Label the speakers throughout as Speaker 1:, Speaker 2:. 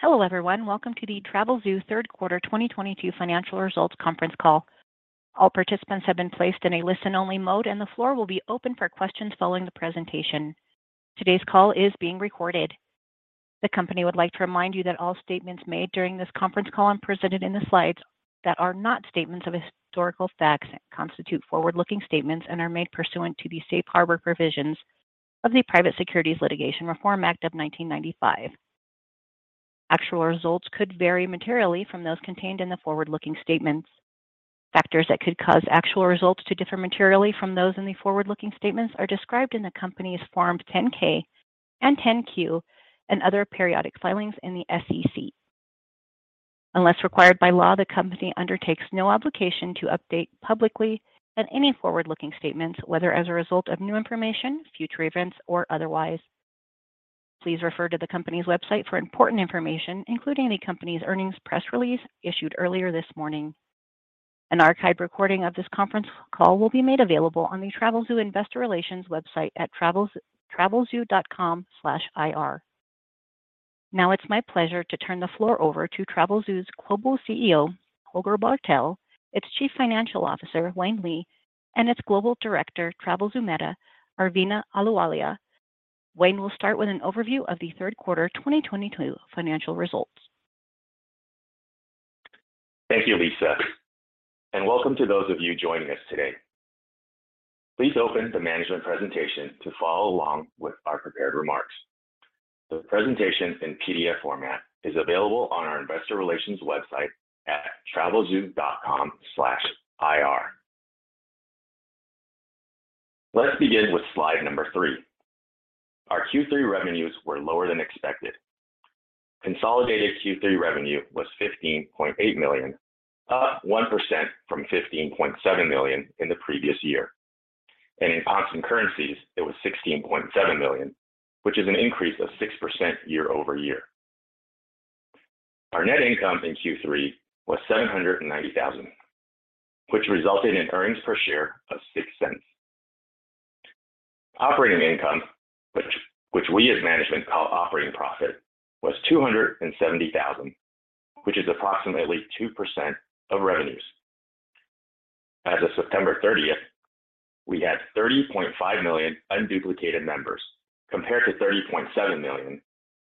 Speaker 1: Hello, everyone. Welcome to the Travelzoo Third Quarter 2022 financial results conference call. All participants have been placed in a listen-only mode, and the floor will be open for questions following the presentation. Today's call is being recorded. The company would like to remind you that all statements made during this conference call and presented in the slides that are not statements of historical facts constitute forward-looking statements and are made pursuant to the Safe Harbor provisions of the Private Securities Litigation Reform Act of 1995. Actual results could vary materially from those contained in the forward-looking statements. Factors that could cause actual results to differ materially from those in the forward-looking statements are described in the company's Form 10-K and Form 10-Q and other periodic filings in the SEC. Unless required by law, the company undertakes no obligation to update publicly any forward-looking statements, whether as a result of new information, future events, or otherwise. Please refer to the company's website for important information, including the company's earnings press release issued earlier this morning. An archived recording of this conference call will be made available on the Travelzoo investor relations website at travelzoo.com/ir. Now it's my pleasure to turn the floor over to Travelzoo's Global CEO, Holger Bartel, its Chief Financial Officer, Wayne Lee, and its Global Director, Travelzoo META, Arveena Ahluwalia. Wayne will start with an overview of the third quarter 2022 financial results.
Speaker 2: Thank you, Lisa, and welcome to those of you joining us today. Please open the management presentation to follow along with our prepared remarks. The presentation in PDF format is available on our investor relations website at travelzoo.com/ir. Let's begin with slide three. Our Q3 revenues were lower than expected. Consolidated Q3 revenue was $15.8 million, up 1% from $15.7 million in the previous year. In constant currencies, it was $16.7 million, which is an increase of 6% year-over-year. Our net income in Q3 was $790,000, which resulted in earnings per share of $0.06. Operating income, which we as management call operating profit, was $270,000, which is approximately 2% of revenues. As of September 30th, we had 30.5 million unduplicated members, compared to 30.7 million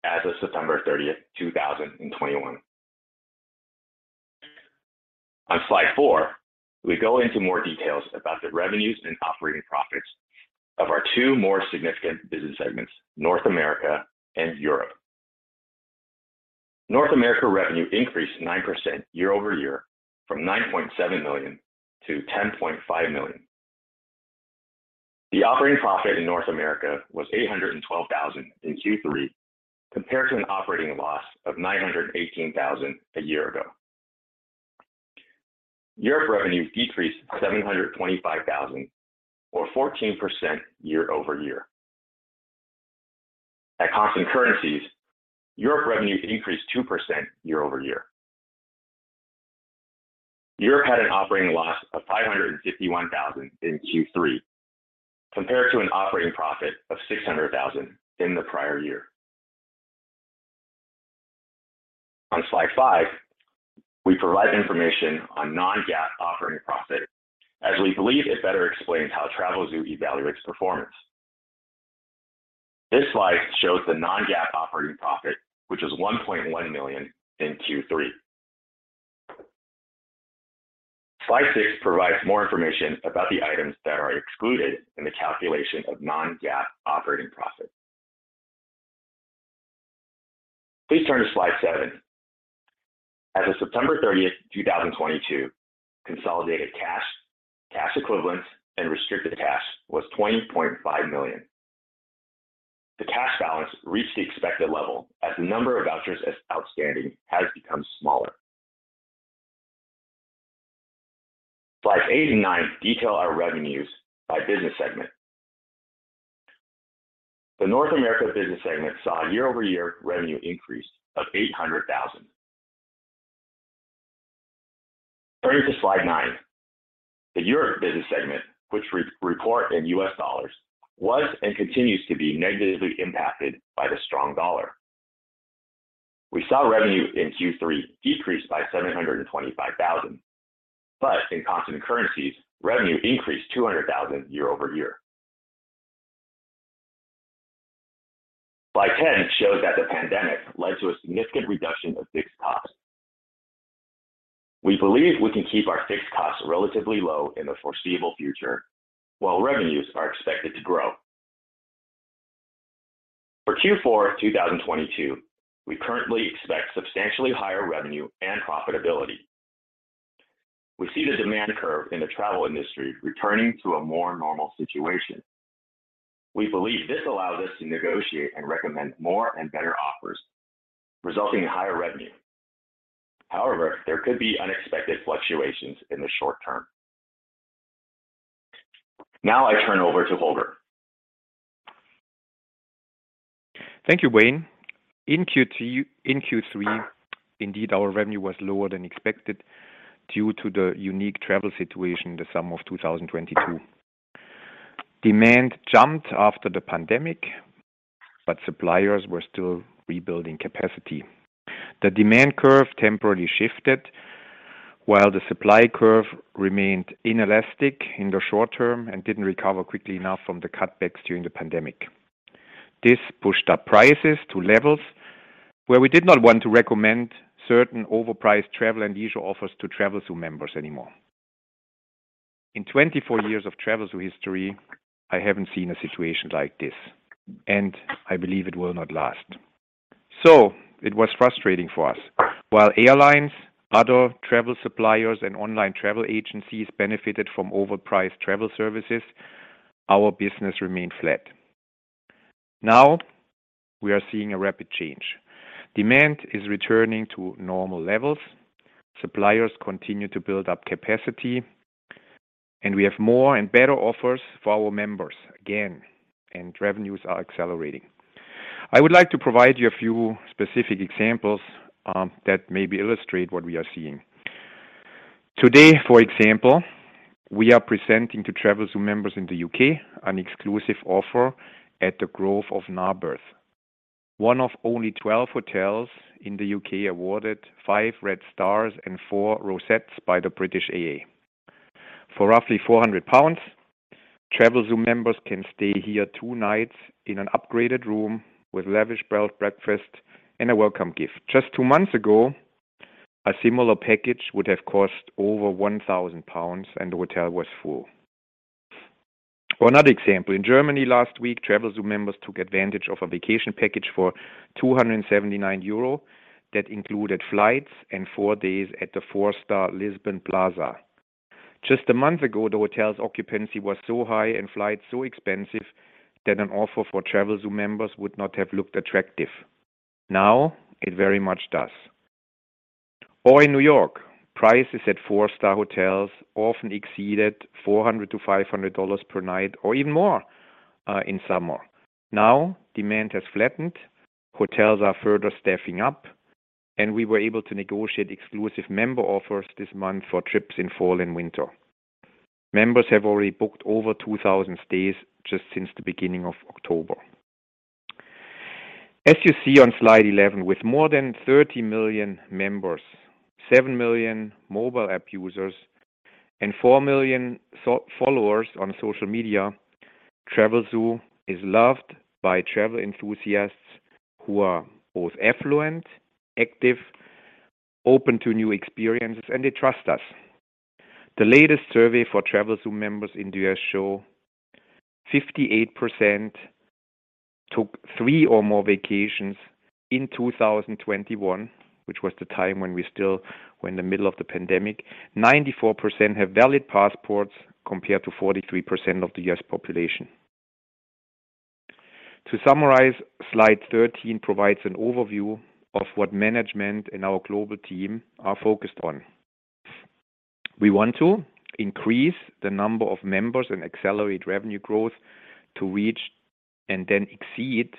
Speaker 2: as of September 30th, 2021. On slide 4, we go into more details about the revenues and operating profits of our two more significant business segments, North America and Europe. North America revenue increased 9% year-over-year from $9.7 million to $10.5 million. The operating profit in North America was $812,000 in Q3, compared to an operating loss of $918,000 a year ago. Europe revenue decreased $725,000 or 14% year-over-year. At constant currencies, Europe revenue increased 2% year-over-year. Europe had an operating loss of $551,000 in Q3, compared to an operating profit of $600,000 in the prior year. On slide five, we provide information on non-GAAP operating profit, as we believe it better explains how Travelzoo evaluates performance. This slide shows the non-GAAP operating profit, which is $1.1 million in Q3. Slide six provides more information about the items that are excluded in the calculation of non-GAAP operating profit. Please turn to slide seven. As of September 30, 2022, consolidated cash equivalents, and restricted cash was $20.5 million. The cash balance reached the expected level as the number of outstanding vouchers has become smaller. Slides eight and nine detail our revenues by business segment. The North America business segment saw a year-over-year revenue increase of $800,000. Turning to slide nine, the Europe business segment, which we report in U.S. dollars, was and continues to be negatively impacted by the strong dollar. We saw revenue in Q3 decrease by $725,000, but in constant currencies, revenue increased $200,000 year-over-year. Slide 10 shows that the pandemic led to a significant reduction of fixed costs. We believe we can keep our fixed costs relatively low in the foreseeable future, while revenues are expected to grow. For Q4 2022, we currently expect substantially higher revenue and profitability. We see the demand curve in the travel industry returning to a more normal situation. We believe this allows us to negotiate and recommend more and better offers, resulting in higher revenue. However, there could be unexpected fluctuations in the short term. Now I turn over to Holger Bartel.
Speaker 3: Thank you, Wayne. In Q3, indeed, our revenue was lower than expected due to the unique travel situation in the summer of 2022. Demand jumped after the pandemic, but suppliers were still rebuilding capacity. The demand curve temporarily shifted while the supply curve remained inelastic in the short term and didn't recover quickly enough from the cutbacks during the pandemic. This pushed up prices to levels where we did not want to recommend certain overpriced travel and leisure offers to Travelzoo members anymore. In 24 years of Travelzoo history, I haven't seen a situation like this, and I believe it will not last. It was frustrating for us. While airlines, other travel suppliers, and online travel agencies benefited from overpriced travel services, our business remained flat. Now we are seeing a rapid change. Demand is returning to normal levels. Suppliers continue to build up capacity, and we have more and better offers for our members again, and revenues are accelerating. I would like to provide you a few specific examples that maybe illustrate what we are seeing. Today, for example, we are presenting to Travelzoo members the U.K. an exclusive offer at the Grove of Narberth, one of only 12 hotels the U.K. awarded five red stars and four rosettes by the British AA. For roughly 400 pounds, Travelzoo members can stay here two nights in an upgraded room with lavish breakfast and a welcome gift. Just two months ago, a similar package would have cost over 1,000 pounds, and the hotel was full. Another example, in Germany last week, Travelzoo members took advantage of a vacation package for 279 euro that included flights and four days at the four-star Hotel Lisboa Plaza. Just a month ago, the hotel's occupancy was so high and flights so expensive that an offer for Travelzoo members would not have looked attractive. Now it very much does. In New York, prices at four-star hotels often exceeded $400-$500 per night or even more in summer. Now demand has flattened, hotels are further staffing up, and we were able to negotiate exclusive member offers this month for trips in fall and winter. Members have already booked over 2,000 stays just since the beginning of October. As you see on slide 11, with more than 30 million members, 7 million mobile app users, and 4 million followers on social media, Travelzoo is loved by travel enthusiasts who are both affluent, active, open to new experiences, and they trust us. The latest survey for Travelzoo members in the U.S. show 58% took 3 or more vacations in 2021, which was the time when we still were in the middle of the pandemic. 94% have valid passports compared to 43% of the U.S. population. To summarize, slide 13 provides an overview of what management and our global team are focused on. We want to increase the number of members and accelerate revenue growth to reach and then exceed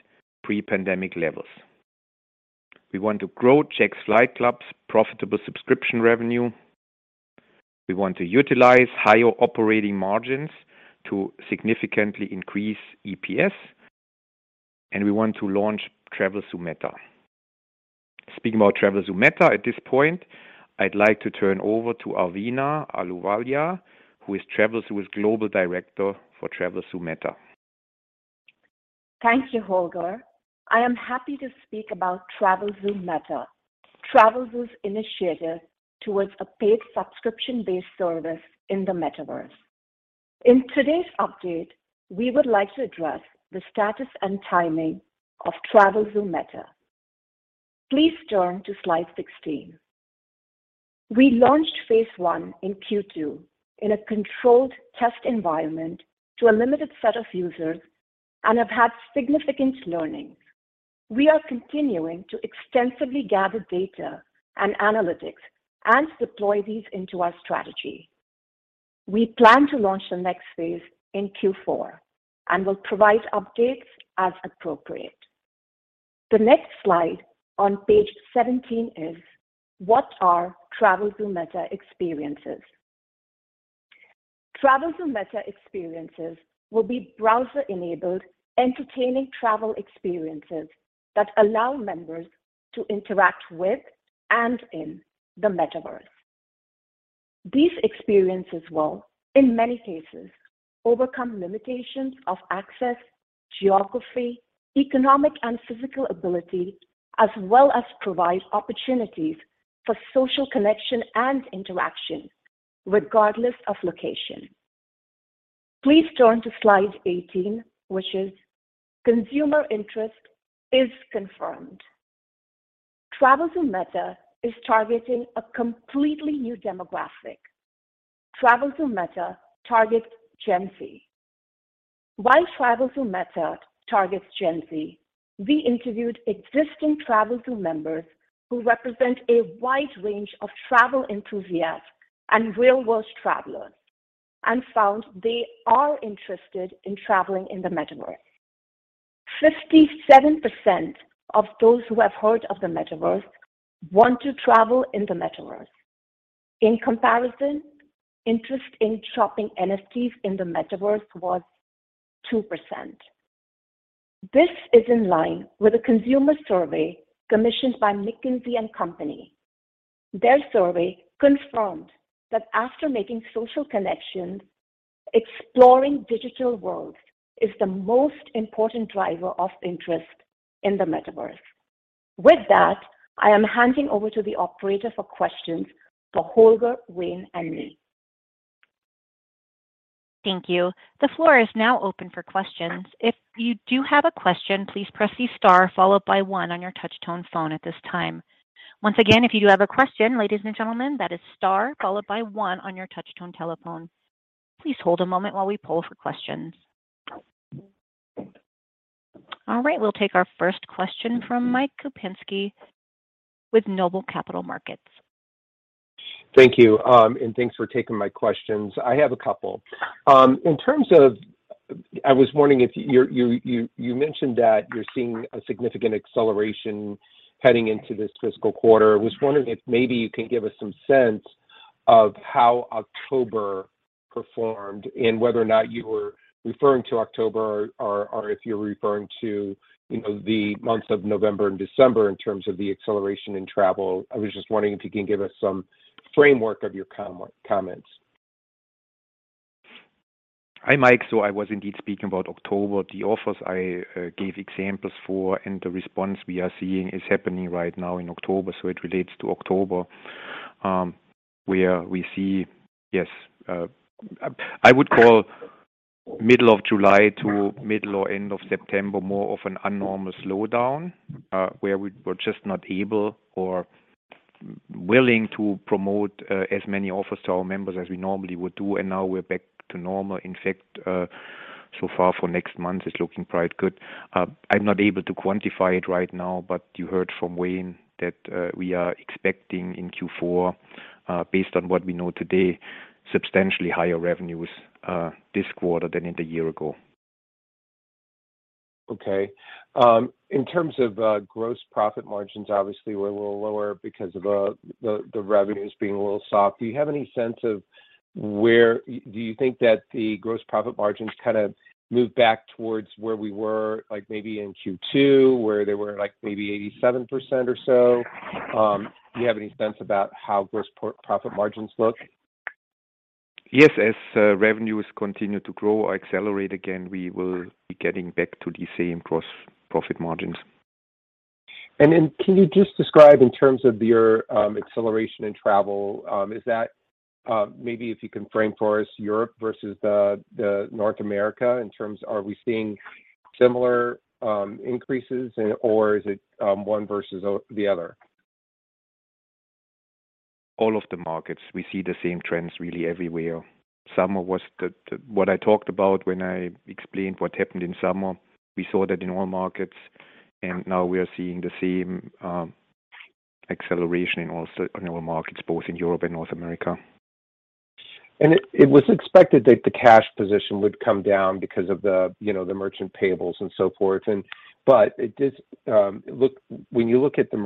Speaker 3: pre-pandemic levels. We want to grow Jack's Flight Club's profitable subscription revenue. We want to utilize higher operating margins to significantly increase EPS, and we want to launch Travelzoo META. Speaking about Travelzoo META, at this point, I'd like to turn over to Arveena Ahluwalia, who is Travelzoo's Global Director for Travelzoo META.
Speaker 4: Thank you, Holger. I am happy to speak about Travelzoo META, Travelzoo's initiative towards a paid subscription-based service in the metaverse. In today's update, we would like to address the status and timing of Travelzoo META. Please turn to slide 16. We launched phase one in Q2 in a controlled test environment to a limited set of users and have had significant learning. We are continuing to extensively gather data and analytics and deploy these into our strategy. We plan to launch the next phase in Q4 and will provide updates as appropriate. The next slide on page 17 is what are Travelzoo META experiences. Travelzoo META experiences will be browser-enabled, entertaining travel experiences that allow members to interact with and in the metaverse. These experiences will, in many cases, overcome limitations of access, geography, economic, and physical ability, as well as provide opportunities for social connection and interaction regardless of location. Please turn to slide 18, which is consumer interest is confirmed. Travelzoo META is targeting a completely new demographic. Travelzoo META targets Gen Z. While Travelzoo META targets Gen Z, we interviewed existing Travelzoo members who represent a wide range of travel enthusiasts and real-world travelers and found they are interested in traveling in the Metaverse. 57% of those who have heard of the Metaverse want to travel in the Metaverse. In comparison, interest in shopping NFTs in the Metaverse was 2%. This is in line with a consumer survey commissioned by McKinsey & Company. Their survey confirmed that after making social connections, exploring digital worlds is the most important driver of interest in the Metaverse. With that, I am handing over to the operator for questions for Holger, Wayne, and me.
Speaker 1: Thank you. The floor is now open for questions. If you do have a question, please press the star followed by one on your touch-tone phone at this time. Once again, if you do have a question, ladies and gentlemen, that is star followed by one on your touch-tone telephone. Please hold a moment while we poll for questions. All right. We'll take our first question from Michael Kupinski with Noble Capital Markets.
Speaker 5: Thank you, and thanks for taking my questions. I have a couple. In terms of, I was wondering if you mentioned that you're seeing a significant acceleration heading into this fiscal quarter. I was wondering if maybe you can give us some sense of how October performed and whether or not you were referring to October or if you're referring to, you know, the months of November and December in terms of the acceleration in travel. I was just wondering if you can give us some framework of your comments.
Speaker 3: Hi, Mike. I was indeed speaking about October. The offers I gave examples for and the response we are seeing is happening right now in October, so it relates to October. I would call middle of July to middle or end of September more of an abnormal slowdown, where we were just not able or willing to promote as many offers to our members as we normally would do, and now we're back to normal. In fact, so far for next month, it's looking quite good. I'm not able to quantify it right now, but you heard from Wayne that we are expecting in Q4, based on what we know today, substantially higher revenues this quarter than in the year ago.
Speaker 5: Okay. In terms of gross profit margins, obviously were a little lower because of the revenues being a little soft. Do you think that the gross profit margins kinda move back towards where we were, like, maybe in Q2, where they were, like, maybe 87% or so? Do you have any sense about how gross profit margins look?
Speaker 3: Yes. As revenues continue to grow or accelerate again, we will be getting back to the same gross profit margins.
Speaker 5: Can you just describe in terms of your acceleration in travel, is that maybe if you can frame for us Europe versus the North America in terms, are we seeing similar increases and or is it one versus the other?
Speaker 3: All of the markets, we see the same trends really everywhere. What I talked about when I explained what happened in summer, we saw that in all markets. Now we are seeing the same acceleration also in our markets, both in Europe and North America.
Speaker 5: It was expected that the cash position would come down because of the, you know, the merchant payables and so forth. But it does look when you look at cash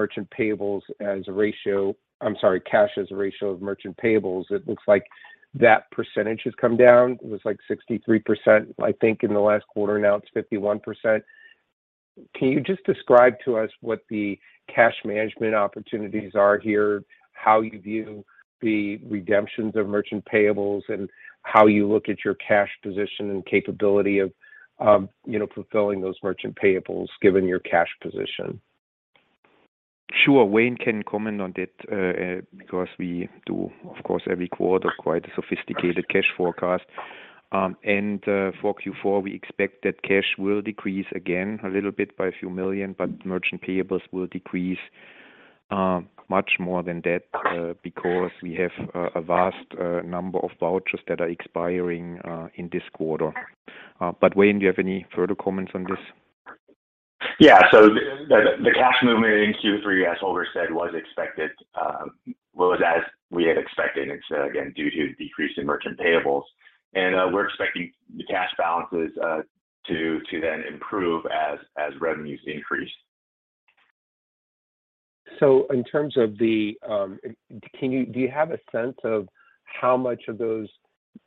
Speaker 5: as a ratio of merchant payables, it looks like that percentage has come down. It was like 63%, I think, in the last quarter. Now it's 51%. Can you just describe to us what the cash management opportunities are here, how you view the redemptions of merchant payables, and how you look at your cash position and capability of you know fulfilling those merchant payables given your cash position?
Speaker 3: Sure. Wayne can comment on that, because we do, of course, every quarter, quite a sophisticated cash forecast. For Q4, we expect that cash will decrease again a little bit by $a few million, but merchant payables will decrease much more than that, because we have a vast number of vouchers that are expiring in this quarter. Wayne, do you have any further comments on this?
Speaker 2: Yeah. The cash movement in Q3, as Holger said, was expected, as we had expected. It's again due to a decrease in merchant payables. We're expecting the cash balances to then improve as revenues increase.
Speaker 5: In terms of the, do you have a sense of how much of those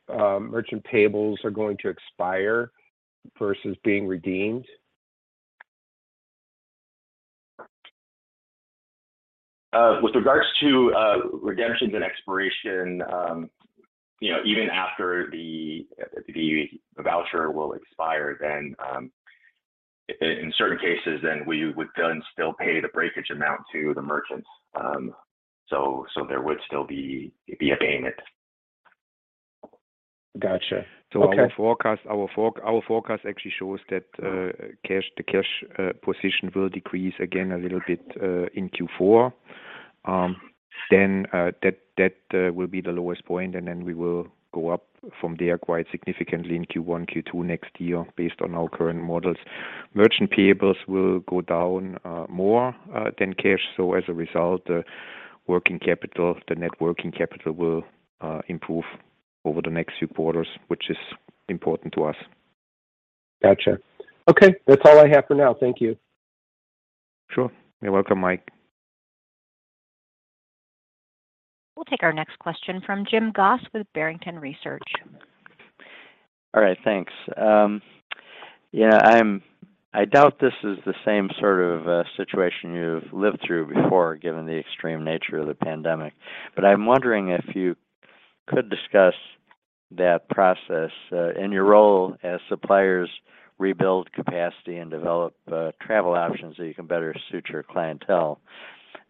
Speaker 5: merchant payables are going to expire versus being redeemed?
Speaker 2: With regards to redemptions and expiration, you know, even after the voucher will expire, then in certain cases we would still pay the breakage amount to the merchants. So there would still be a payment.
Speaker 5: Gotcha. Okay.
Speaker 3: Our forecast actually shows that cash position will decrease again a little bit in Q4. That will be the lowest point, and we will go up from there quite significantly in Q1, Q2 next year based on our current models. Merchant payables will go down more than cash. As a result, working capital, the net working capital, will improve over the next few quarters, which is important to us.
Speaker 5: Gotcha. Okay. That's all I have for now. Thank you.
Speaker 3: Sure. You're welcome, Mike.
Speaker 1: We'll take our next question from Jim Goss with Barrington Research.
Speaker 6: All right. Thanks. Yeah, I doubt this is the same sort of situation you've lived through before, given the extreme nature of the pandemic, but I'm wondering if you could discuss that process in your role as suppliers rebuild capacity and develop travel options so you can better suit your clientele.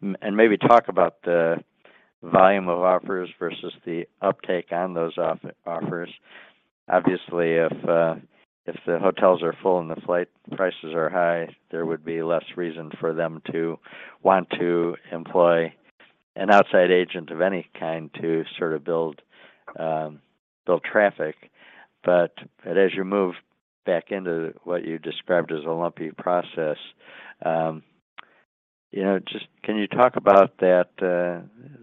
Speaker 6: Maybe talk about the volume of offers versus the uptake on those offers. Obviously, if the hotels are full and the flight prices are high, there would be less reason for them to want to employ an outside agent of any kind to sort of build traffic. As you move back into what you described as a lumpy process, you know, just can you talk about that. You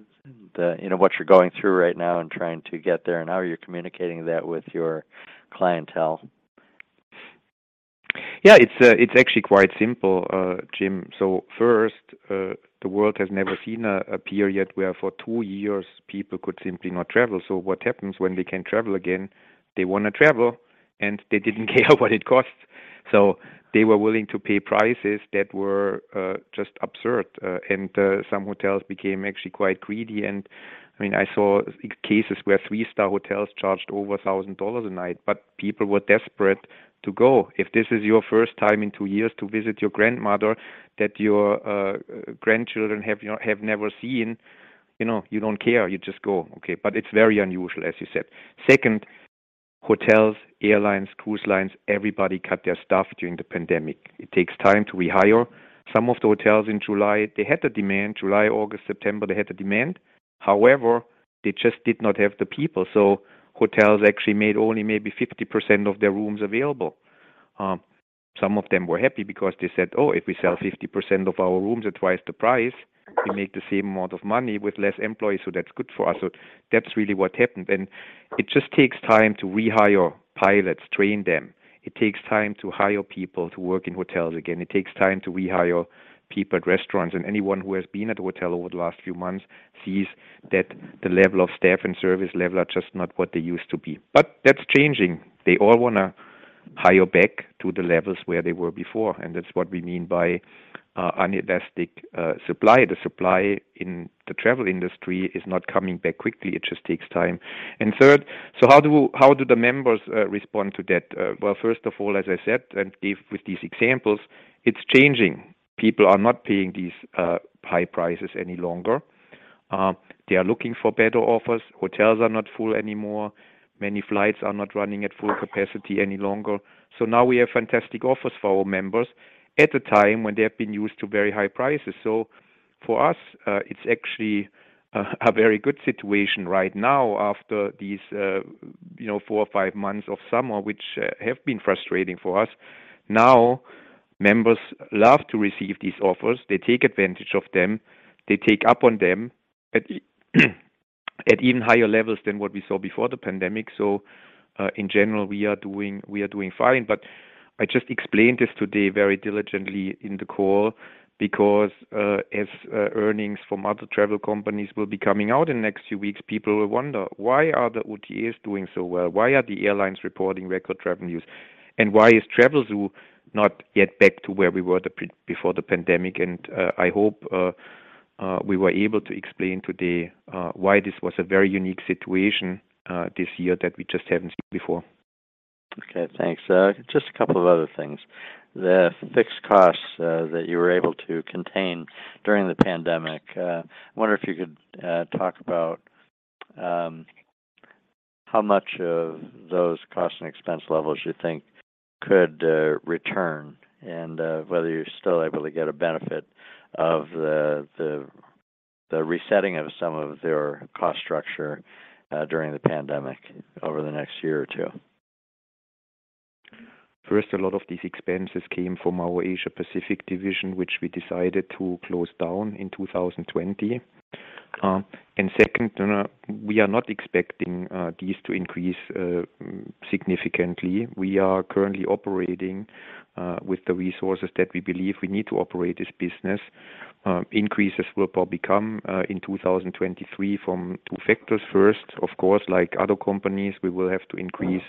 Speaker 6: know, what you're going through right now in trying to get there and how you're communicating that with your clientele?
Speaker 3: Yeah, it's actually quite simple, Jim. First, the world has never seen a period where for two years people could simply not travel. What happens when they can travel again, they wanna travel, and they didn't care what it costs. They were willing to pay prices that were just absurd. Some hotels became actually quite greedy. I mean, I saw cases where three-star hotels charged over $1,000 a night, but people were desperate to go. If this is your first time in two years to visit your grandmother that your grandchildren have never seen, you know, you don't care, you just go. Okay, but it's very unusual, as you said. Second, hotels, airlines, cruise lines, everybody cut their staff during the pandemic. It takes time to rehire. Some of the hotels in July, they had the demand. July, August, September, they had the demand. However, they just did not have the people. So hotels actually made only maybe 50% of their rooms available. Some of them were happy because they said, "Oh, if we sell 50% of our rooms at twice the price, we make the same amount of money with less employees, so that's good for us." So that's really what happened. It just takes time to rehire pilots, train them. It takes time to hire people to work in hotels again. It takes time to rehire people at restaurants. Anyone who has been at a hotel over the last few months sees that the level of staff and service level are just not what they used to be. That's changing. They all wanna hire back to the levels where they were before, and that's what we mean by an elastic supply. The supply in the travel industry is not coming back quickly. It just takes time. Third, how do the members respond to that? Well, first of all, as I said, and with these examples, it's changing. People are not paying these high prices any longer. They are looking for better offers. Hotels are not full anymore. Many flights are not running at full capacity any longer. Now we have fantastic offers for our members at a time when they have been used to very high prices. For us, it's actually a very good situation right now after these, you know, four or five months of summer, which have been frustrating for us. Now, members love to receive these offers. They take advantage of them. They take up on them at even higher levels than what we saw before the pandemic. In general, we are doing fine, but I just explained this today very diligently in the call because, as earnings from other travel companies will be coming out in the next few weeks, people will wonder, "Why are the OTAs doing so well? Why are the airlines reporting record revenues? And why is Travelzoo not yet back to where we were before the pandemic?" I hope we were able to explain today why this was a very unique situation this year that we just haven't seen before.
Speaker 6: Okay, thanks. Just a couple of other things. The fixed costs that you were able to contain during the pandemic, I wonder if you could talk about how much of those cost and expense levels you think could return and whether you're still able to get a benefit of the resetting of some of their cost structure during the pandemic over the next year or two.
Speaker 3: First, a lot of these expenses came from our Asia Pacific division, which we decided to close down in 2020. Second, we are not expecting these to increase significantly. We are currently operating with the resources that we believe we need to operate this business. Increases will probably come in 2023 from two factors. First, of course, like other companies, we will have to increase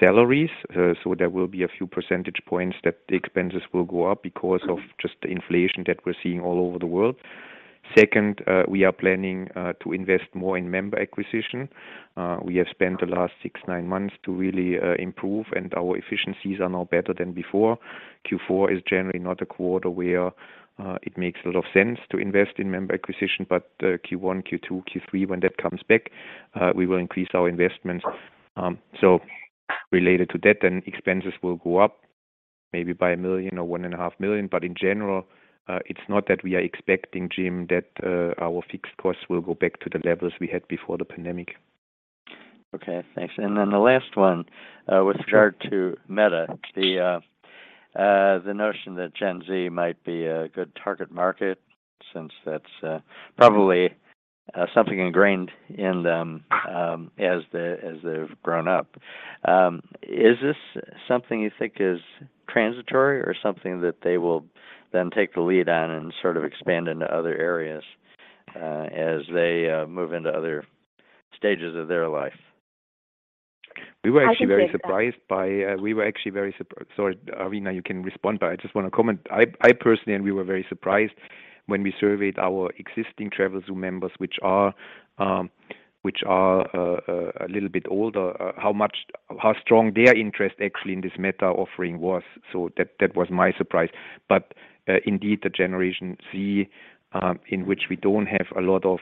Speaker 3: salaries, so there will be a few percentage points that the expenses will go up because of just the inflation that we're seeing all over the world. Second, we are planning to invest more in member acquisition. We have spent the last 6-9 months to really improve, and our efficiencies are now better than before. Q4 is generally not a quarter where it makes a lot of sense to invest in member acquisition. Q1, Q2, Q3, when that comes back, we will increase our investments. Related to that then, expenses will go up maybe by $1 million or $1.5 million. In general, it's not that we are expecting, Jim, that our fixed costs will go back to the levels we had before the pandemic.
Speaker 6: Okay, thanks. Then the last one, with regard to Meta, the notion that Gen Z might be a good target market since that's probably something ingrained in them, as they've grown up. Is this something you think is transitory or something that they will then take the lead on and sort of expand into other areas, as they move into other stages of their life?
Speaker 3: We were actually very surprised. Sorry, Arveena, you can respond, but I just wanna comment. I personally and we were very surprised when we surveyed our existing Travelzoo members, which are a little bit older, how strong their interest actually in this META offering was, so that was my surprise. Indeed, the Gen Z in which we don't have a lot of,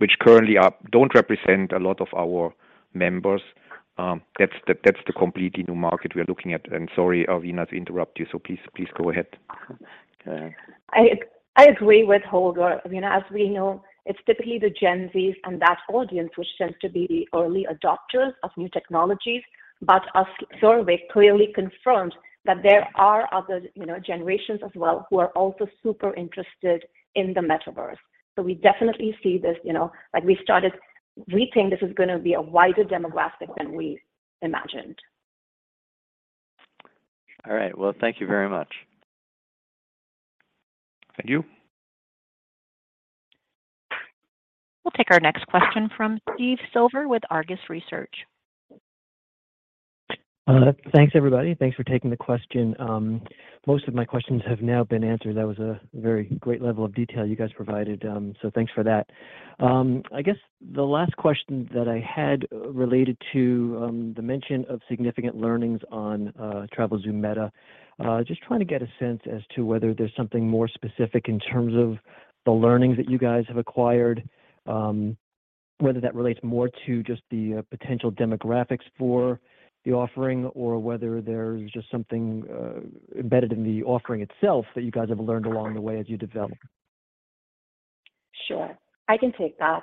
Speaker 3: which currently don't represent a lot of our members, that's the completely new market we are looking at. Sorry, Arveena, to interrupt you, so please go ahead.
Speaker 4: I agree with Holger. You know, as we know, it's typically the Gen Z and that audience which tends to be the early adopters of new technologies, but our survey clearly confirmed that there are other, you know, generations as well who are also super interested in the metaverse. We definitely see this, you know. We think this is gonna be a wider demographic than we imagined.
Speaker 6: All right. Well, thank you very much.
Speaker 3: Thank you.
Speaker 1: We'll take our next question from Steve Silver with Argus Research.
Speaker 7: Thanks, everybody. Thanks for taking the question. Most of my questions have now been answered. That was a very great level of detail you guys provided, so thanks for that. I guess the last question that I had related to the mention of significant learnings on Travelzoo META. Just trying to get a sense as to whether there's something more specific in terms of the learnings that you guys have acquired, whether that relates more to just the potential demographics for the offering or whether there's just something embedded in the offering itself that you guys have learned along the way as you develop.
Speaker 4: Sure. I can take that.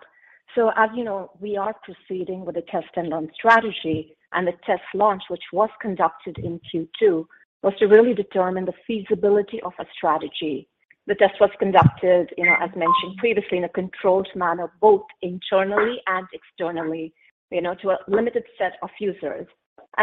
Speaker 4: As you know, we are proceeding with the test and run strategy, and the test launch, which was conducted in Q2, was to really determine the feasibility of a strategy. The test was conducted, you know, as mentioned previously, in a controlled manner, both internally and externally, you know, to a limited set of users.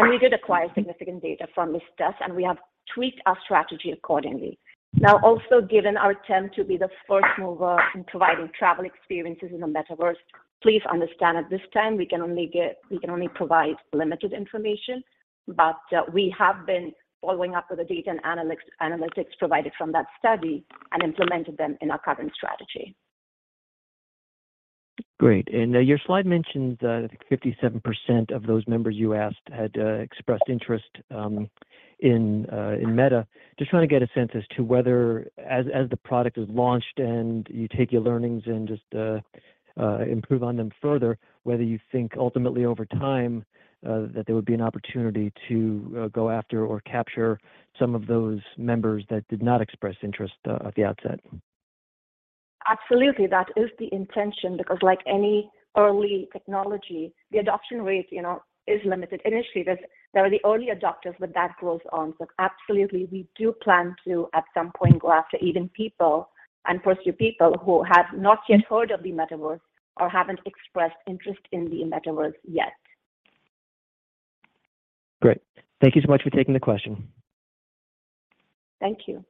Speaker 4: We did acquire significant data from this test, and we have tweaked our strategy accordingly. Now, also, given our attempt to be the first mover in providing travel experiences in the metaverse, please understand at this time, we can only provide limited information, but we have been following up with the data and analytics provided from that study and implemented them in our current strategy.
Speaker 7: Great. Your slide mentions, I think 57% of those members you asked had expressed interest in Meta. Just trying to get a sense as to whether, as the product is launched and you take your learnings and just improve on them further, whether you think ultimately over time that there would be an opportunity to go after or capture some of those members that did not express interest at the outset.
Speaker 4: Absolutely. That is the intention because like any early technology, the adoption rate, you know, is limited. Initially, there are the early adopters, but that grows on. Absolutely, we do plan to, at some point, go after even people and pursue people who have not yet heard of the metaverse or haven't expressed interest in the metaverse yet.
Speaker 7: Great. Thank you so much for taking the question.
Speaker 4: Thank you.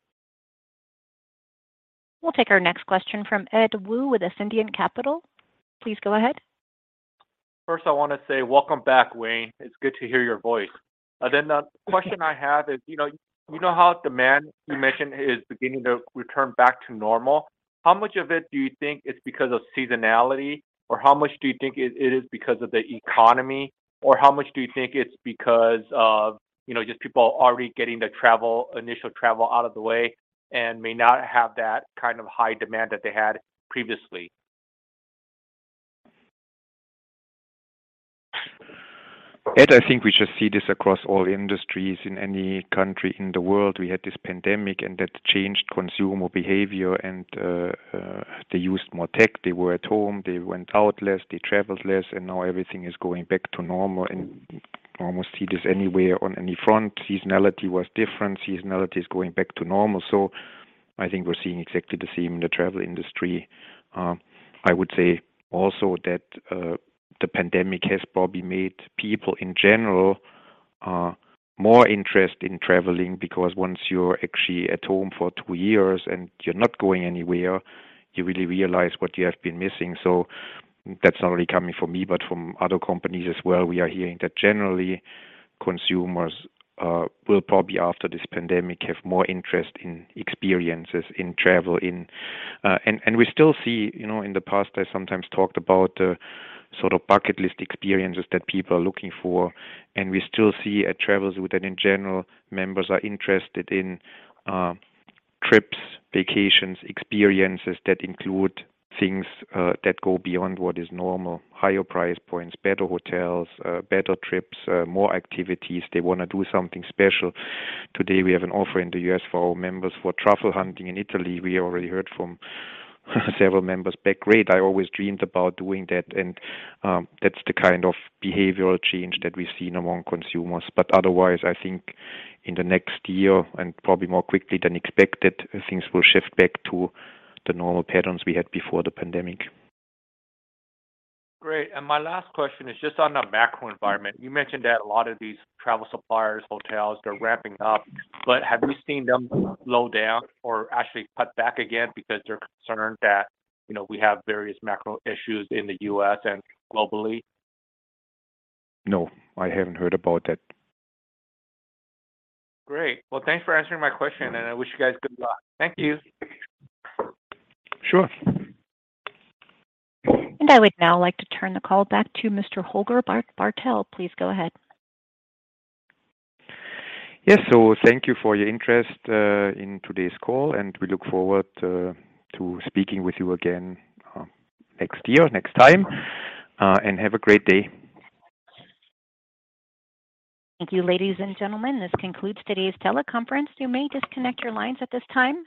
Speaker 1: We'll take our next question from Ed Woo with Ascendiant Capital Markets. Please go ahead.
Speaker 8: First, I wanna say welcome back, Wayne. It's good to hear your voice. The question I have is, you know, how demand you mentioned is beginning to return back to normal, how much of it do you think it's because of seasonality, or how much do you think it is because of the economy, or how much do you think it's because of, you know, just people already getting their travel, initial travel out of the way and may not have that kind of high demand that they had previously?
Speaker 3: Ed, I think we just see this across all industries in any country in the world. We had this pandemic, and that changed consumer behavior and they used more tech. They were at home. They went out less. They traveled less. Now everything is going back to normal, and almost see this anywhere on any front. Seasonality was different. Seasonality is going back to normal. I think we're seeing exactly the same in the travel industry. I would say also that the pandemic has probably made people in general more interested in traveling because once you're actually at home for two years and you're not going anywhere, you really realize what you have been missing. That's not only coming from me, but from other companies as well. We are hearing that generally consumers will probably after this pandemic have more interest in experiences in travel. We still see, you know, in the past, I sometimes talked about sort of bucket list experiences that people are looking for, and we still see at Travelzoo that in general, members are interested in trips, vacations, experiences that include things that go beyond what is normal, higher price points, better hotels, better trips, more activities. They wanna do something special. Today, we have an offer in the U.S. for our members for truffle hunting in Italy. We already heard from several members, "Great, I always dreamed about doing that." That's the kind of behavioral change that we've seen among consumers. Otherwise, I think in the next year and probably more quickly than expected, things will shift back to the normal patterns we had before the pandemic.
Speaker 8: Great. My last question is just on the macro environment. You mentioned that a lot of these travel suppliers, hotels, they're ramping up, but have you seen them slow down or actually cut back again because they're concerned that, you know, we have various macro issues in the U.S. and globally?
Speaker 3: No, I haven't heard about that.
Speaker 8: Great. Well, thanks for answering my question, and I wish you guys good luck. Thank you.
Speaker 3: Sure.
Speaker 1: I would now like to turn the call back to Mr. Holger Bartel. Please go ahead.
Speaker 3: Yes, thank you for your interest in today's call, and we look forward to speaking with you again next time and have a great day.
Speaker 1: Thank you, ladies and gentlemen. This concludes today's teleconference. You may disconnect your lines at this time.